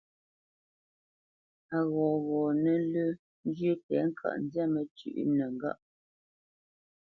A ghɔghɔnə́ lə́ njyə́ tɛ̌ŋka nzyâ məcywǐnəŋgâʼ.